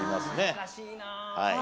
難しいなあ。